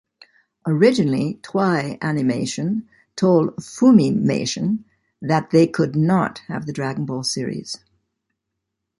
Originally Toei Animation told Funimation that they could not have the "Dragon Ball" series.